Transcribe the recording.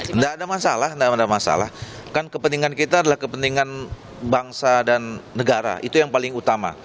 tidak ada masalah tidak ada masalah kan kepentingan kita adalah kepentingan bangsa dan negara itu yang paling utama